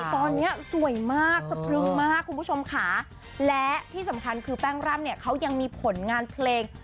ตอนนี้สวยมากสะพรึงมากคุณผู้ชมค่ะและที่สำคัญคือแป้งร่ำเนี่ยเขายังมีผลงานเพลง